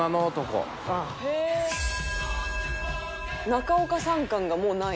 「中岡さん感がもうない」